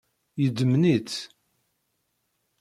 Yeḍmen-itt.